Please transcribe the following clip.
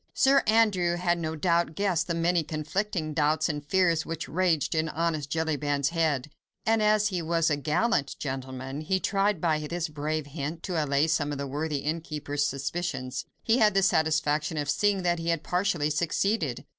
Sir Andrew had no doubt guessed the many conflicting doubts and fears which raged in honest Jellyband's head; and, as he was a gallant gentleman, he tried by this brave hint to allay some of the worthy innkeeper's suspicions. He had the satisfaction of seeing that he had partially succeeded.